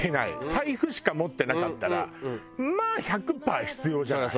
財布しか持ってなかったらまあ１００パー必要じゃない。